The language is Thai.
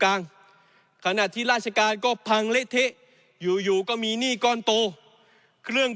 กลางขณะที่ราชการก็พังเละเทะอยู่อยู่ก็มีหนี้ก้อนโตเครื่อง